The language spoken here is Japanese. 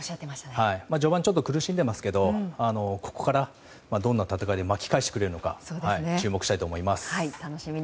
序盤ちょっと苦しんでいますけどここからどんな戦いで巻き返してくれるのか注目したいと思います。